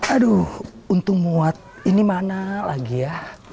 aduh untung muat ini mana lagi ya